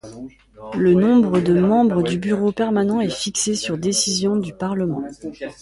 Le nombre de membres du bureau permanent est fixé sur décision du Parlement.